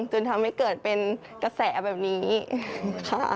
จนทำให้เกิดเป็นกระแสแบบนี้ค่ะ